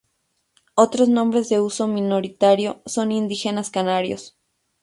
Otros nombres de uso minoritario son indígenas canarios.